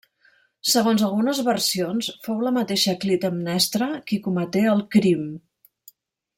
Segons algunes versions fou la mateixa Clitemnestra qui cometé el crim.